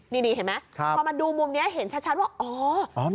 นี่เห็นไหมพอมาดูมุมนี้เห็นชัดว่าอ๋อ